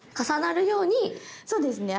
そうですね。